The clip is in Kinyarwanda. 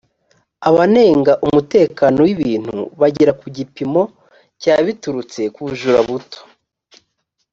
abanenga umutekano w ibintu bagera ku gipimo cya biturutse ku bujura buto